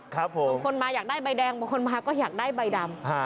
บางคนมาอยากได้ใบแดงบางคนมาก็อยากได้ใบดำ